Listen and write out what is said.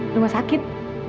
eh rumah sakit